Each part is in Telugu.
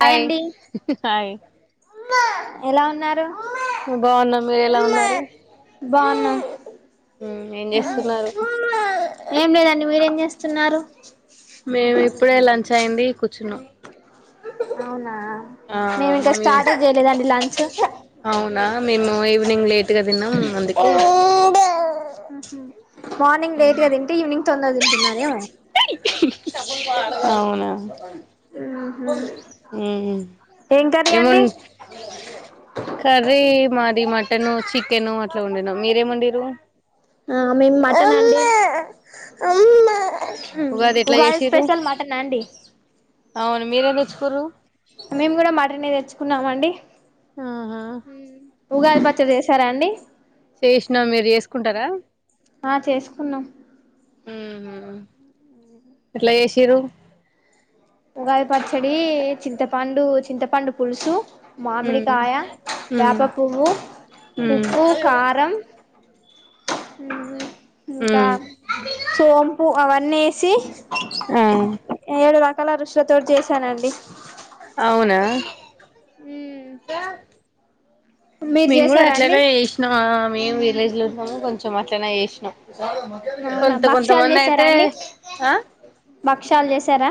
హాయ్ ఆయ్ అండి హాయ్ ఎలా ఉన్నారు ఉ బాగున్నా మీరెలా ఉన్నారు బాగున్నాం ఉ ఏం చేస్తున్నారు ఏం లేదండి మీరేం చేస్ మేము ఇప్పుడే లంచ్ అయ్యింది కు అవునా ఆ మేము ఇంకా ఆమె స్టార్ట్ చేయలేదండి లంచ్ అవునా మేము ఇవి నింగ్ లేట్ టిగా తిన్నాం అందుకే ఉహు మార్నింగ్ లేట్ గా తింటే ఈవినింగ్ తొందర తింటున్నారే అవునా ఉ ఏం కర్రీ అండి ఏమొన్ కర్రీ మాది మటను చి కెను అట్లా వండినం మీరేం వండీరు ఆ మేం మటన్ అండి ఉగాది ఎట్ల చేసిరు స్పెషల్ మటన్ అండి అవును మీరేం తె తురు కున్నామండి ఆహా ఉగాది పచ్చడి చేసారా అండి చేసినా మీరు చేసుకుంటారా ఆ చేసుకున్నాం ఉమ్ హు ఎట్లా చేసిరు ఉగాది పచ్చడీ చింతపండు చింతపండు పులుసు మామిడి మ్మ్ కాయ వేప మ్మ్ పువ్వు ఉమ్ ఉప్పు కారం ఇంకా సోంపు అవన్నీ వేసి ఉమ్ ఏడు క్కల రుచులతోటి చేశానండి అవునా క [unintelligible] మీరు మేము కూడా చేసారా అండి అట్లనే చేసినం మేము విలేజ్ లోము కొంచెం అట్లానే చేసినాం అవునా కొంత భక్షాలు కొంతమంది చేసారా అయితే అండి ఆ భక్షాలు చేసారా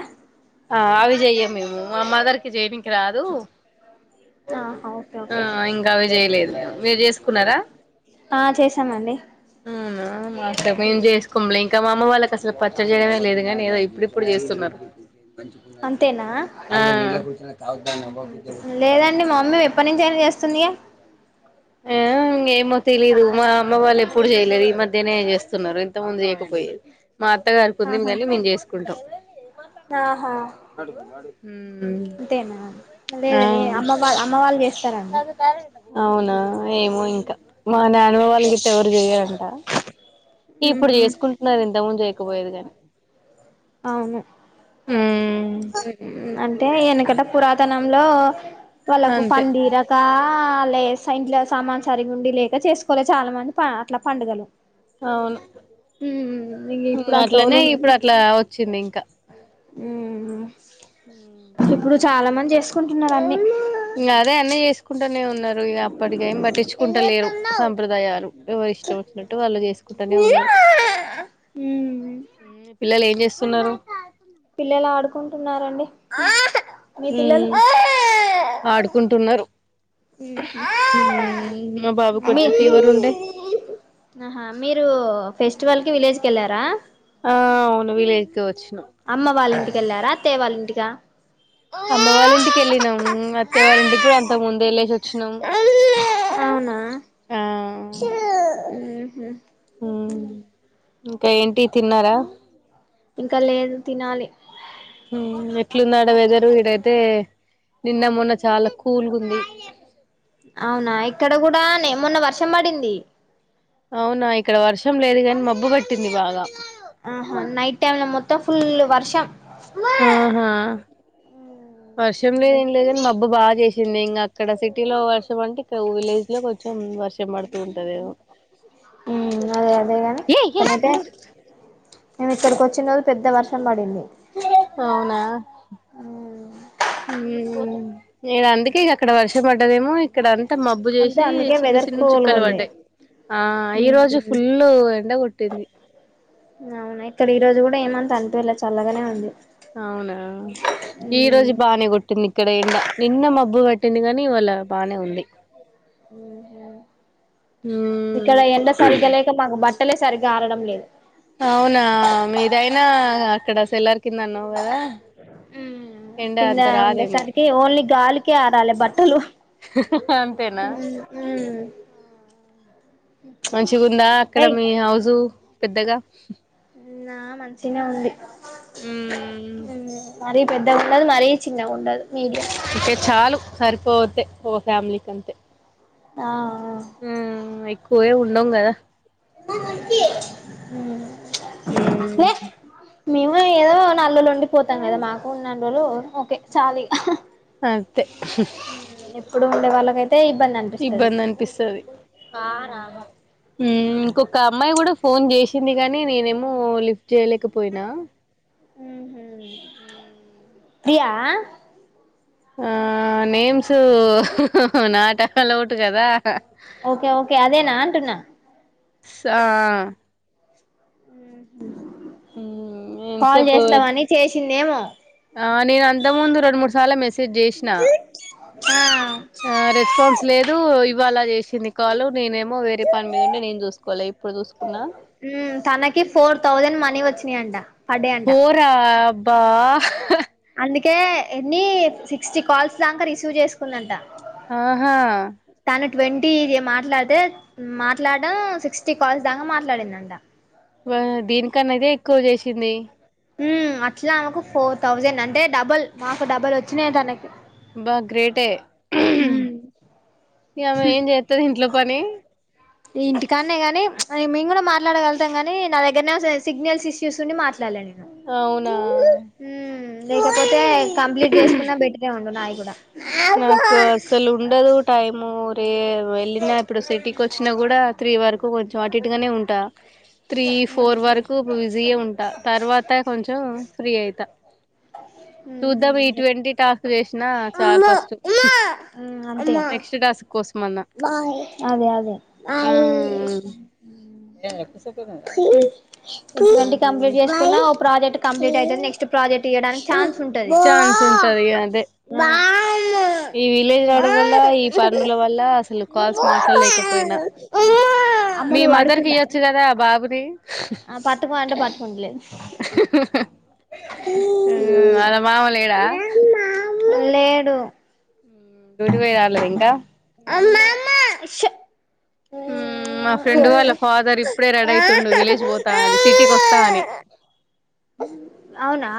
ఆ అవి చెయ్యం మేము మా అమ్మ గీర్కి చెయనికి రాదు ఆహా ఓకే ఆ ఓకే ఇంకా అవి చేయలేదు మీరు చే చేసుకున్నారా ఆ చేసామండి అవునా మేం చేసుకోంలే మా అమ్మవాళ్లకు అసల అసలు పచ్చడి చేయడమే లేదు నీ ఏదో ఇప్పుడుప్పుడు చేస్తున్నారు అంతేనా ఆ లేదండి మా మమ్మీ ఎప్పటి నుంచి అయినా చేస్తుంది ఆ ఏమో తెలీదు మా అమ్మ వాళ్ళు ఎప్పుడు చేయలేరు ఈ మధ్యనే ఏం చేస్తున్నారు ఇంత ముందు చేయకపోయది మా ఆహా అత్తగారుకుందికనీ మేము చేసుకుంటాం ఆహా ఉమ్ అంతేనా ఆ లేదులే అమ్మ వాళ్ళ అమ్మ వాళ్ళు చేస్తారండి అవునా ఏమో ఇంకా మా నాన్న వాళ్ళ గిట్ట ఎవరు చెయారంట ఇప్పుడు ఉహు చేసుకుంటున్నారండి ఇంతకు ముందు చేయకపోయేటి దాన్ని అవును అంటే వెనక ఇక్కడ పురాతనంలో వాళ్ళలకు అంతే పనిదీరకా లే ఇంట్లో సామాన్ సరిగి ఉండి లేక చేసుకోలే చాలా మంది అట్లా పండుగలు అవును ఇంక ఇప్పుడు అట్లనే ఇప్పుడు అట్లా వచ్చింది ఇంకా ఉ ఇప్పుడు చాలా మంది చేసుకుంటున్నారు అన్ని ఇగా అదే అన్ని చేసుకుంట నే ఉన్నారు ఇగ అప్పటికి ఏం పట్టించుకుంటా లేరు నా [unintelligible] సంప్రదాయాలు ఎవరూ ఇష్టం వచ్చినట్టు వాళ్ళు చేసుకుంటూనే ఉన్నారు ఉమ్ పిల్లలు ఏం చేస్త ఎం చేస్తున్నారు పిల్లలు ఆడుకుంటున్నారండి మీ పిల్లలు ఉమ్ ఆడుకుంటున్నారు ఉమ్ మా బాబు కొంచెం ఫీవర్ ఉండే ఆహా మీరు ఫెస్టివల్ కి విలేజ్కి వెళ్ళారా ఆ అవును విలేజ్ కి వచ్చి అమ్మ వాళ్ళంటి కెళ్ళారా అత్తయ్య వాళ్ళ ఇంటికా అమ్మ వాళ్ళింటికి వెళ్ళినాము అత్త్య వాళ్ళింటికి ప్రాంత పొంది వేలేసి వచ్చినాం అవునా ఆ మ్ హు ఉమ్ ఇంకా ఏంటి తిన్నారా ఇంకా లేదు తినాలి ఇట్లున్నాడా వెదర్ ఈడైతే నిన్న మొన్న చాలా కూల్గా ఉంది అవునా ఇక్కడ కూడానే మొన్న వర్షం పడింది అవునా ఇక్కడ వర్షం లేదు కాని మబ్బు పట్టింది బాగా ఆహా నైట్ టైమ్ లో మొత్తం ఫుల్ వర్షం ఆహా వర్షం లేదేం లేదంని మబ్బు బాగా చిన్న ఇంకా అక్కడ సిటీలో కొంచెం అంటే ఇ విలేజ్ లో కొంచెం వర్షం పడుతూ ఉంటదమో ఉమ్ అదే అదే గాని ఇక్కనైతే మేము ఇక్కడికి వచ్చిన రోజు పెద్ద వర్షం పడింది అవునా నేను అందుకే ఇక అక్కడ వర్ష పడ్డదేమో ఇక్కడ అంతా మబ్బు అంతే చేసి అందుకే చిన్న వెదర్ చిన్న కూల్గా చుక్కలు ఉంది పడ్డాయి ఆ ఈ రోజు ఉమ్ ఫుల్ ఎండ కొట్టింది తని పేర్ల చల్లగానే ఉంది అవునా ఈ రోజు ఉమ్ బనే కొట్టింది ఇక్కడ ఎండ నిన్న మబ్బు పెట్టింది కాగాని ఇవాళ బానే ఉంది మ్మ్ ఇక్కడ ఎండా సరిగాలేక మాకు బట్టలే సరిగ్గా ఆరడం లేదు నా అక్కడ సెల్లర్ కింద కదా ఎండ కింద అంత రాదేమో ఉండేసరికి ఓన్లీ గాలికి ఆరాలే బట్టలు అంతేనా మంచిగుందా అక్కడ ఏయ్ మీ హౌజు పెద్దగా నా మంచిగా ఉంది మ్మ్ మ్ మరి పెద్దగా ఉండదు మరీ చిన్నగా ఉండదు మీడియం ఇతే చాలు సర్ పోతే ఓ ఫ్యామిలీ కంతే ఆ ఊమ్ ఎకు పోయేం ఉండం గదా ఊమ్ మ్మ్ ఎ మీ ఏదో నల్లలో ఉండి పోతాం కదా మాకు ఉన్నోరోళ్ళు ఓకే చాలీగా అంతే ఆ ఎప్పుడు ఉండే వాళ్ళకై ఇబ్బంది అనిపిస్తది ఒకక్క అమ్మాయి కూడా ఫోన్ చేసింది గానీ నేనేమో లిఫ్ట్ జలేక పోయినా ప్రియా ఆ నేమ్స్ ఆహ్ ఆహ్ నాటలవుట్ కదా ఓకే ఓకే అదేనా అంటున్నా సా ఆహ మ్మ్ కాల్ ఎంతసేపు చేస్తామని చేసిందేమో ఆ నేను అంత ముందు రెండు మూడు సార్లు మెస్ సేజ్ చేసిన ఆ ఆ రెస్పాన్స్ లేదు ఇప్ వాలా జేష్ చిన్ని కాలు నేనేమో వేరే పని మీద ఉండి నేను చూసుకోవాలే ఇప్పుడు చూసుకున్నా నండా హోరాబ్బా ఆహ్ అందుకే ఎన్ని సిక్స్టీ కాల్స్ దాకా రిసీవ్ చేసుకుందంట ఆహా న ట్వంటీ ఇది మాట్లాడితే మాట్లాడం సిక్స్టీ కాల్స్ దాకా మాట్లాడిందంట ఆ దీనికన్నా ఇదే ఎక్కువ చేసింది ఊమ్ అట్లా అనకు ఫోర్ థౌజండ్ అంటే డబల్ మాకు డబల్ వచ్చినయి తనకి బా గ్రేటే ఇమె ఏం చేస్తది ఇంట్లో పని అని మేము కూడా మాట్లాడగలుగుతాం కానీ నా దగ్గరనే సిగ్నల్స్ ఇష్యూస్ని మాట్లాడలేండి అవునా లేకపోతే కంప్లీట్ చేసుకున్నా బెటరే ఉండు నాయి. గూడ నాకు అస్సలు ఉండదూ టైమూ. వే వెళ్ళినా ఇప్పుడు సిటి వచ్చినా గుడా త్రీ వరక్ కు కొంచెం అటు ఇటుగానే ఉంటా. త్రీ ఫోర్ మ్మ్ వరకూ బిజీఏ ఉంట్ త తర్వాత కొంచెం ఫ్రీ అయితా. హ్మ్ చూద్దాం ఈ మ్మ్ ట్వంటీ టాస్క్ చేశినా చాల్ ఇ చె నెక్స్ట్ టాస్క్ కోస్ అదే అదే. ఆ ఫ కొద్ది ఆ కొద్దిగ్గ్ కంప్లీట్ చేసుకున్నా, ఓ ప్రాజెక్ట్ కంప్లీట్ అయతది. నెక్స్ట్ ప్రాజెక్ట్ ఇయ్యడానిక్ ఛాన్స్ ఉంటది. ఛాన్స్ ఉంటది అదే ఈ విలేజ్ రావడం వల్లా, ఈ మ్మ్ పనుల వల్లా అసలు కాల్స్ మాట్లాడలేకపోయినా. అమ్మ మీ నువ్వు మదర్ కి పడుకుందా ఇయొచ్చు గదా ఆ బాబు నీ. ఆ పట్టుకో అంటే పట్టుకుంటలేద్. వాళ్ళ మామ లేడా లేడు. డ్యూటి పోయి రాలేదింకా. షు మా ఫ్రెండ్ వాళ్ళ ఫాదర్ ఇప్పుడే రెడీ అయితుండు, విలేజ్ పోతా అని సిటీకి వస్తా అని, అవునా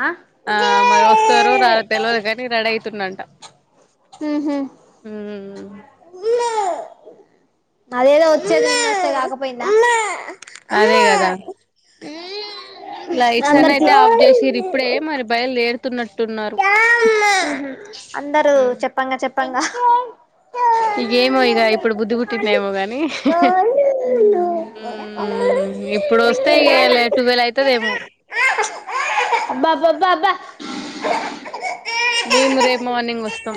ఆ మరి వస్తారో రా తెల్వదు గాని రెడీ అయితుండు అంట్ ఊహు అదేదో వచ్చేది నిన్న వస్తే కాకపోయిందా. అదే గదా. లైట్స్ అన్న అయితే ఆఫ్ చేసిర్రు ఇప్పుడే అందరికి మరి బయలుదేరు తున్నట్ అందరూ చెప్పంగ చెప్పంగా. అ [inaudible] ఇగేమో ఇగ ఇప్పుడు బుద్ధి పుట్టిందేమో గని హ్మీ ఇప్పుడోస్తే ఇ టువెల్ అయితదేమో అ మేము రేపు మార్నింగ్ వస్తాం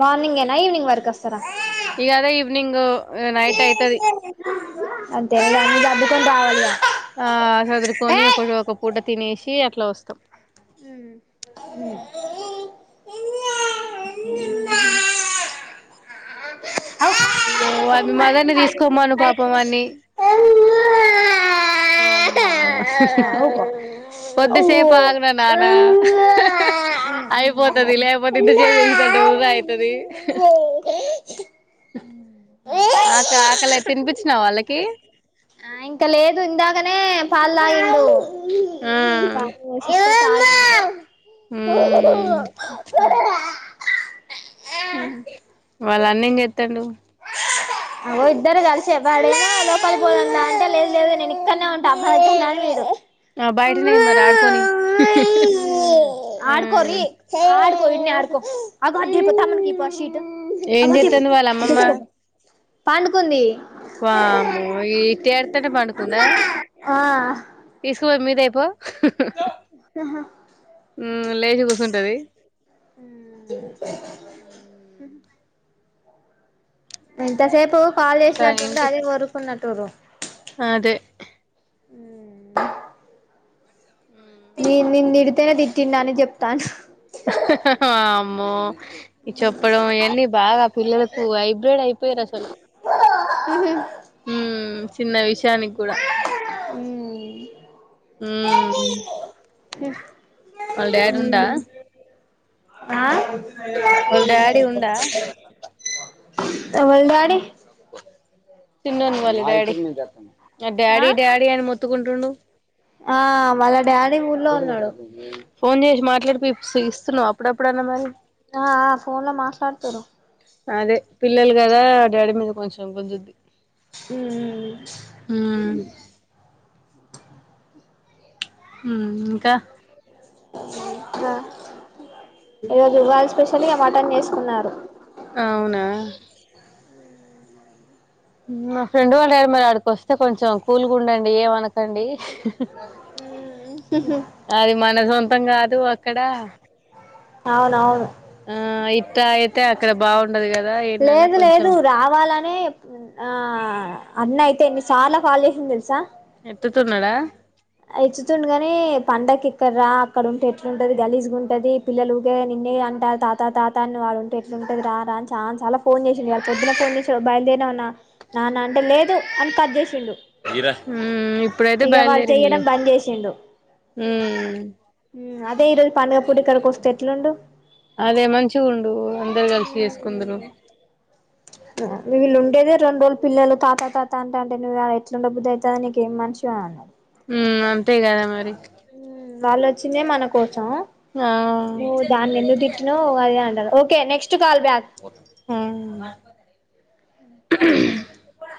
మార్నింగేనా ఈవినింగ్ వరకు వస్తారా ఇగ అదే ఈవినింగ్ నైట్ అయితది అంతే అన్ని సద్ కోన్ రావాల్ [inaudible] ఆ సదురు కొని ఒకరు ఒకపూట తినేస్ కీ అట్లా వస్తాం [inaudible] మ్ అయ్యో అవి మదన్ని తీసుకోమ్మను పాపం అన్ని వామ్మో కొద్దిసేపు ఆగున నాన్న అయిపోతది లేకపోతే ఇద్దసేపు చంటే వృథా అయితది ఆక ఆకలియి తినిపిచ్చినవా వాళ్ళకి పల్ తాగిండు పాలు పోసి ఇస్తే మ్ మ్ తాగి- అమ్మా వాళ్ళ అన్న ఏం చెత్తాండు అగో ఇద్దరు కలిసే వాడనా లోపలి పోదాం దా అంటే లేదు లేదు నేన్ ఇక్కడ్నే ఉంటా అబ్బాయిన్నాను మీరు ఆ బయటనెయ్యి మరి ఆడ్కొని ఆ ఈడ్నే ఆడుకో అగో [unintelligible] ఏం అగో తిప్పు చేత్తాంది వాళ్ళ అటు అమ్మమ్మ తెచ్చుకో పో పండుకుంది. వామ్మో ఇటేడ్తేంటే పండుకుందా ఆ తీసుకో పోయి మీరు తేపో ఆహా మ్ లేచి కూసుంటది [inaudible] ఎంతసేపు కాల్ ఇంకా చేసినట్టుంది ఏంటి అదే ఓర్రుకున్నట్ [inaudible] అదే అ [inaudible] నీ నిన్ తిడితేనే తిట్టిండని చెప్తాన ఆ మా ఈ చెప్పడం ఇయన్నీ బాగా పిల్లలకు అయి అప్డేట్ అయిపోయిరు అసలు హ్ చిన్న విష షానికి కూడా ఉమ్ హ్మ్ అ వాళ్ళ డాడుండా? ఆ డాడీ ఉండా ఎవళ్ డాడీ చిన్నోని వాళ్ళ డాడీ స డాడీ ఆ డాడీ అని మొ త్తుకుంటుండు ఆ వాళ్ళ డాడీ ఊర్లో ఉన్నడు. ఫోన్ చేసి మాట్లాడిపిసిస్తున్నవా అప్పుడప్పుడన్న మరీ ఆ ఆ ఫోన్ల మాట్లాడుతురు. అదే పిల్లలు గదా డాడీ మీద కొంచెం గుంజుద్ది. మ్మ్ ఉమ్ మ్మ్ హ్మ్ ఇంకా ఇంకా ఈరోజు ఉగాది స్పెషల్ ఇగ మటన్ చేసుకున్నారు అవునా మా ఫ్రెండ్ వాళ్ళు డాడీ మరి ఆడికి వస్తే కొంచెం కూల్ గా ఉండండి ఏమనకండి. అది మన సొంతం కాదు అక్కడ అవునవును ఆ ఇట్టా అయితే అక్కడ బా లేదు లేదు రావాలని ఆ అన్న అయితే ఎన్నిసార్ల కాల్ చేసిండు తెలుసా? ఎత్తుతున్నడా ఎచ్చుతుండు గనీ పండక్కి ఇక్కడ రా అక్కడ ఉంటే ఎట్లుంటుంది గలీజుగుంటది పిల్లలు ఉగే నిన్నే అంటారు తాతా తాత అని నువ్వు ఆడ ఉంటే ఎట్లుంటది రా అని చాన్ సార్ల ఫోన్ చేసిండు ఇగ పొద్దున ఫోన్ చేసిండు బయల్దేరినవ అన్న నాన్న అంటె లేదు అని కట్ చేసిండు. హ్మూ ఇప్పుడైతే ఇగ బయల్దే వాడు రిండులే చెయ్యడం బంద్ చేసిండు హ్మూ మ్మ్ అదే ఈ రోజు పండుగ పూట ఇక్కడికి వొస్తే ఎట్లుండు. అదే మంచిగ ఉండూ, అందరు కలిసి చేసుకుందరు. వీళ్ళుండేదె రెండు రోజులు పిల్లలు తాత తాత అంటంటే, నువ్వు ఆడ ఎట్లుండ బుద్ది అయితాంది నీకేం మనిషివని అన్నడు. హ్మ్ అంతే గదా మరి. మ్మ్ వాళ్లొచ్చిందే మన కో సం ఆ నువు దాన్ని ఎందుకు తిట్టినవ్ అదే అంటరు ఓ కే నెక్స్ ఉ ఉబ